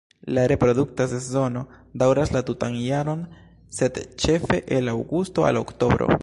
La reprodukta sezono daŭras la tutan jaron sed ĉefe el aŭgusto al oktobro.